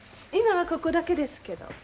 今はここだけですけど。